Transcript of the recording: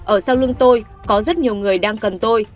ở sau lưng tôi có rất nhiều người đang cần tôi